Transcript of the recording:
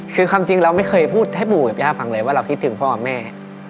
คือความจริงเราไม่เคยพูดให้ปู่กับย่าฟังเลยว่าเราคิดถึงพ่อกับแม่